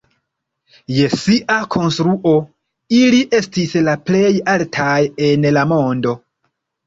Je sia konstruo, ili estis la plej altaj en la mondo.